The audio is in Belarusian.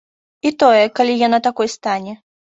І тое, калі яна такой стане.